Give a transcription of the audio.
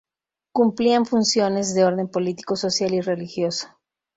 Cumplían funciones de orden político, social y religioso.